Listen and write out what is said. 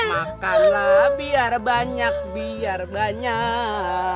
makanlah biar banyak biar banyak